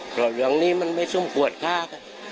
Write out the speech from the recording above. เพราะอย่างนี้มันไม่ซุ่มปวดค่ะ